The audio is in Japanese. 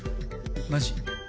マジ？